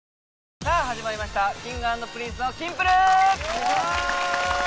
さぁ始まりましたＫｉｎｇ＆Ｐｒｉｎｃｅの『キンプる。』！